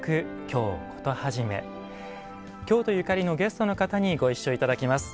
京都ゆかりのゲストの方にご一緒頂きます。